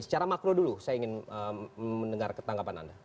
secara makro dulu saya ingin mendengar ketanggapan anda